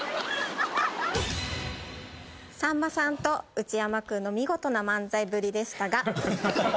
さんまさんと内山君の見事な漫才ぶりでしたが。